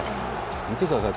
見てください